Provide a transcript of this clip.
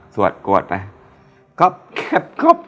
สวดกวดไป